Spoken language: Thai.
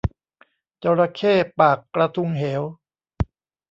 จระเข้ปากกระทุงเหว